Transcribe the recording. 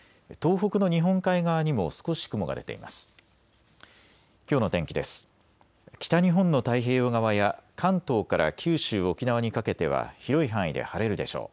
北日本の太平洋側や関東から九州、沖縄にかけては広い範囲で晴れるでしょう。